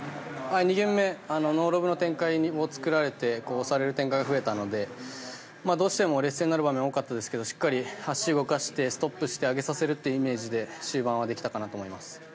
２ゲーム目ノーロブの展開を作られて押される展開が増えたのでどうしても劣勢になる場面が多かったんですけどしっかり足を動かしてストップして上げさせるイメージで終盤はできたかなと思います。